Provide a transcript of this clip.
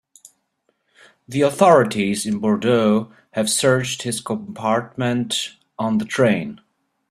The authorities in Bordeaux have searched his compartment on the train.